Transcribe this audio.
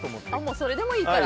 それでもいいから。